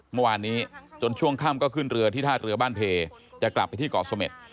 เมื่อวานนี้จนช่วงค่ำก็ขึ้นเรือที่ท่าเรือบ้านเพจะกลับไปที่เกาะเสม็ด